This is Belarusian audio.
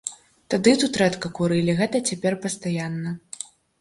Тады тут рэдка курылі, гэта цяпер пастаянна.